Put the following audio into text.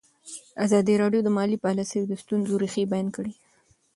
ازادي راډیو د مالي پالیسي د ستونزو رېښه بیان کړې.